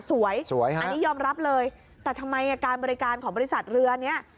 สวยสวยฮะอันนี้ยอมรับเลยแต่ทำไมการบริการของบริษัทเรือเนี้ย